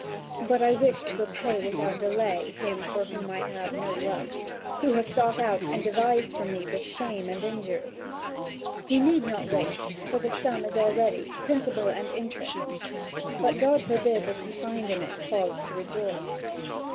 But I wish to repay without delay him for whom I have no love, who has sought out and devised for me this shame and injury. He need not wait, for the sum is all ready, principal and interest; but God forbid that he find in it cause to rejoice!"